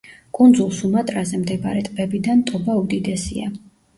კუნძულ სუმატრაზე მდებარე ტბებიდან ტობა უდიდესია.